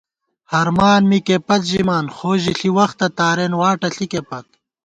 ہرمان مِکے پت ژِمان خو ژِݪی وختہ تارېن واٹہ ݪِکے پت